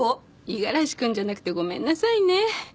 五十嵐君じゃなくてごめんなさいね。